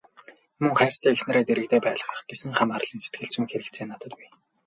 Мөн хайртай эхнэрээ дэргэдээ байлгах гэсэн хамаарлын сэтгэлзүйн хэрэгцээ надад бий.